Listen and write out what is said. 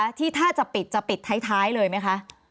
อันนี้เขาพูดช้ำปริการมาก